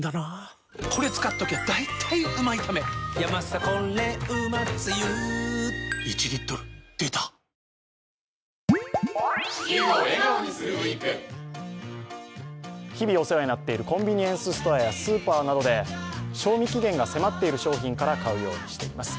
サントリー「ＶＡＲＯＮ」日々お世話になっているコンビニエンスストアやスーパーなどで賞味期限が迫っている商品から買うようにしています。